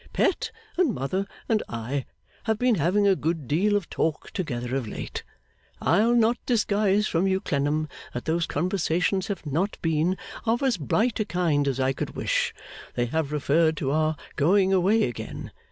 Pet and Mother and I have been having a good deal of talk together of late. I'll not disguise from you, Clennam, that those conversations have not been of as bright a kind as I could wish; they have referred to our going away again.